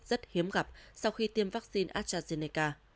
rất hiếm gặp sau khi tiêm vaccine astrazeneca